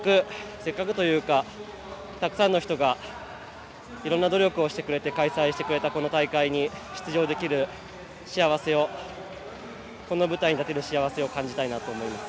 せっかくというかたくさんの人がいろんな努力をしてくれて開催してくれたこの大会に出場できる幸せをこの舞台に立てる幸せを感じたいなと思います。